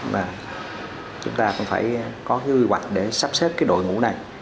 và chúng ta cũng phải có cái quy hoạch để sắp xếp cái đội ngũ này